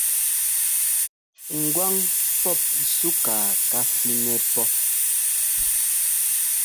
Ŋgwáŋ pɔp súkaa ká fínɛ́ pɔ́.